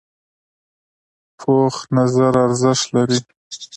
پوخ نظر ارزښت لري